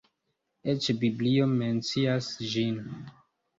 Eĉ Biblio mencias ĝin.